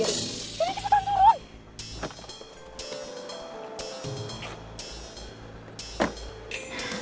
jadi cepetan turun